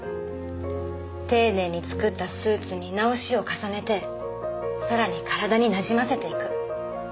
丁寧に作ったスーツに直しを重ねてさらに体になじませていく。